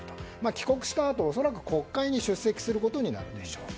帰国したあと恐らく国会に出席することになるでしょうと。